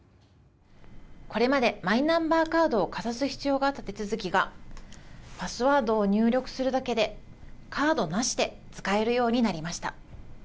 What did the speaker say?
これまでマイナンバーカードをかざす必要があった手続きがパスワードを入力するだけでカードなしで使えるようになりました。